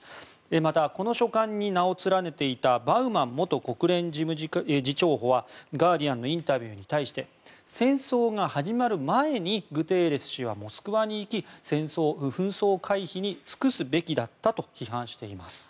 そして、この書簡に名を連ねていたバウマン元国連事務次長補はガーディアン紙のインタビューに対して戦争が始まる前にグテーレス氏はモスクワに行き紛争回避に尽くすべきだったと批判しています。